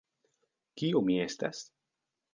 Kiu mi estas?